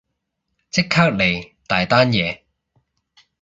即刻嚟，大單嘢